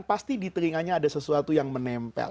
pasti di telinganya ada sesuatu yang menempel